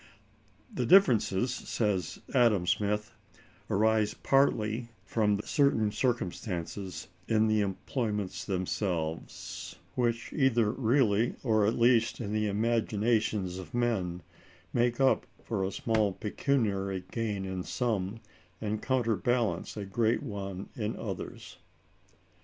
The differences, says [Adam Smith], arise partly "from certain circumstances in the employments themselves, which either really, or at least in the imaginations of men, make up for a small pecuniary gain in some, and counterbalance a great one in others."